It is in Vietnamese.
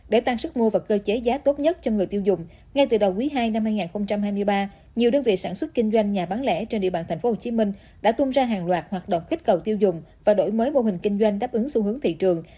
để tăng sức mua và cơ chế giá tốt nhất cho người tiêu dùng ngay từ đầu quý ii năm hai nghìn hai mươi ba nhiều đơn vị sản xuất kinh doanh nhà bán lẻ trên địa bàn tp hcm đã tung ra hàng loạt hoạt động kích cầu tiêu dùng và đổi mới mô hình kinh doanh đáp ứng xu hướng thị trường